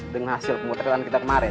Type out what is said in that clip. dengan hasil pengotretan kita kemaren